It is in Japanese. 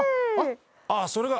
「あっそれが！」